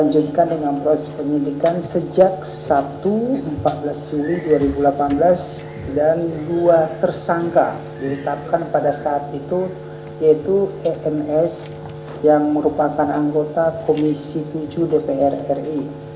empat belas juli dua ribu delapan belas dan dua tersangka diletakkan pada saat itu yaitu ems yang merupakan anggota komisi tujuh dpr ri